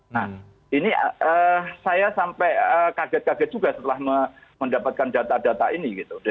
nah ini saya sampai kaget kaget juga setelah mendapatkan data data ini gitu